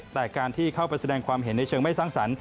แต่การที่เข้าไปแสดงความเห็นในเชิงไม่สร้างสรรค